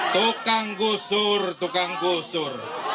tukang gusur tukang gusur